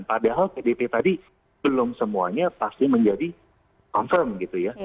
padahal pdp tadi belum semuanya pasti menjadi confirm gitu ya